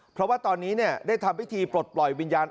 เพราะว่าตอนนี้ได้ทำพิธีปลดปล่อยวิญญาณ